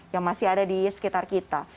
yang masih ada di sekitar kita